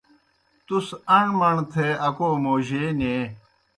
تُس اݨ مݨ تھے اکو موجے نیں۔